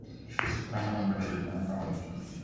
ও রান্না বন্ধ করে দিয়েছে, আমি খাওয়া বন্ধ করে দিয়েছি।